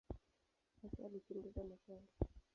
Hasa alichunguza metali.